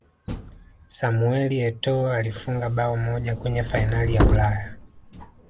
samuel etoo alifunga bao moja kwenye fainali ya ulaya